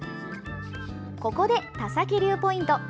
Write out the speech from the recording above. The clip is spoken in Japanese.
ここで田崎流ポイント。